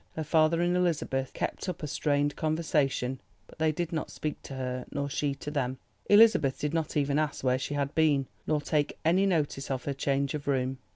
Her father and Elizabeth kept up a strained conversation, but they did not speak to her, nor she to them. Elizabeth did not even ask where she had been, nor take any notice of her change of room.